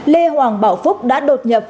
lê hoàng bảo phúc đã đột nhập